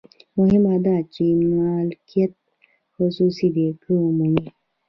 مهمه دا ده چې مالکیت خصوصي دی که عمومي.